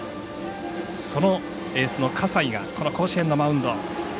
そのエースの葛西がこの甲子園のマウンド。